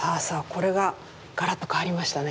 これがガラッと変わりましたね。